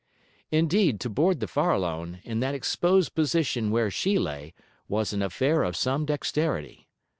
Indeed, to board the Farallone, in that exposed position where she lay, was an affair of some dexterity.